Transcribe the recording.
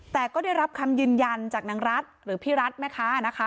แต่ก็ได้รับคำยืนยันจากนางรัฐหรือพี่รัฐแม่ค้านะคะ